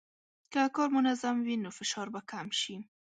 که کار منظم وي، نو فشار به کم شي.